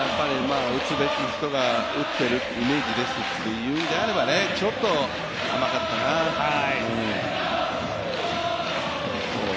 打つべき人が打ってるイメージですという意味であれば、ちょっと甘かったな、うん。